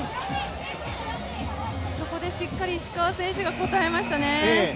そこでしっかり石川選手が応えましたね。